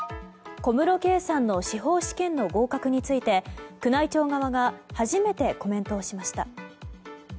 小室圭さんの司法試験の合格について宮内庁側が初めてコメントをしました。